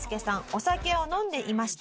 お酒を飲んでいました。